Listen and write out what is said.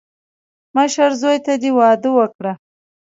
مشر زوی ته دې واده وکړه.